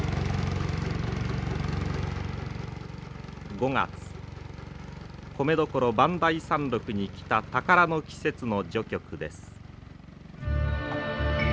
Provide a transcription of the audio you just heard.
５月米どころ磐梯山麓に来た宝の季節の序曲です。